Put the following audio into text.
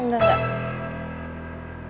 lo gak boleh baper